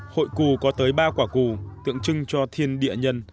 hội cù có tới ba quả cù tượng trưng cho thiên địa nhân